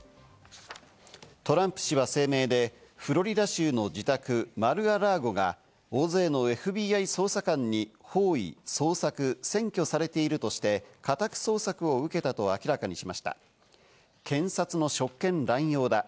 トランプ氏は声明で、フロリダ州の自宅、マル・ア・ラーゴが大勢のＦＢＩ捜査官に包囲、捜索、占拠されているとして家宅捜索を受けたと明らかにしました。